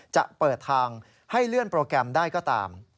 จะเปิดทางให้เลื่อนโปรแกรมได้ก็ตาม